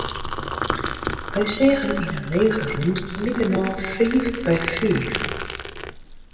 Wy seagen yn in lege rûmte fan likernôch fiif by fiif.